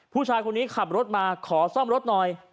ผู้ชายคนนี้ขับรถมาขอซ่อมรถหน่อย